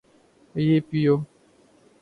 یہ پیو